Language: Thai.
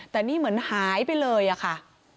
แต่นี่เหมือนหายไปเลยอะค่ะ